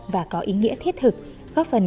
và có ý nghĩa thiết thực góp phần